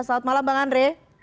selamat malam bang andre